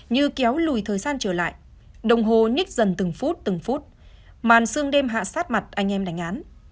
như kéo lùi thời gian trở lại đồng hồ nhích dần từng phút từng phút màn sương đêm hạ sát mặt anh em đánh án